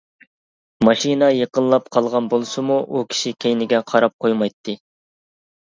ماشىنا يېقىنلاپ قالغان بولسىمۇ ئۇ كىشى كەينىگە قاراپ قويمايتتى.